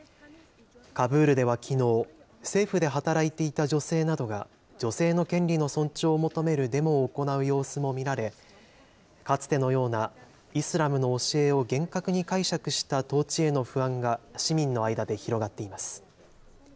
カブールではきのう、政府で働いていた女性などが、女性の権利の尊重を求めるデモを行う様子も見られ、かつてのようなイスラムの教えを厳格に解釈した統治への不安が市民の間で広がっています。